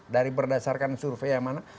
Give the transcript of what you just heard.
dari berdasarkan survei yang mana